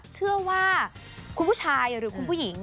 เชื่อว่าคุณผู้ชายหรือคุณผู้หญิง